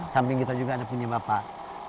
samping kita juga ada punya bapak